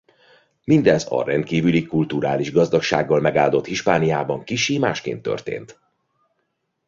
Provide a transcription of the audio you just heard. Mindez a rendkívüli kulturális gazdagsággal megáldott Hispániában kissé másként történt.